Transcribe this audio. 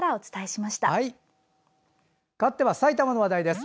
かわっては埼玉の話題です。